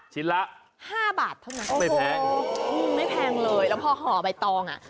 ชิ้นละไม่แพงเลยแล้วพอห่อใบตอง